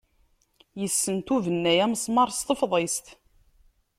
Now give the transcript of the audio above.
Yessenta ubennay amesmaṛ s tefḍist.